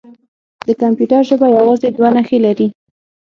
د کمپیوټر ژبه یوازې دوه نښې لري.